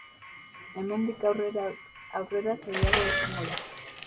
Hemendik aurrera zailagoa izango da.